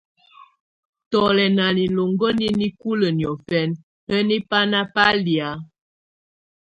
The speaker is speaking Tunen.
Tù lɛ̀ nà niloko nɛ̀ nikulǝ́ niɔ̀fɛna, hǝ́niǝ banà ba lɛ̀á?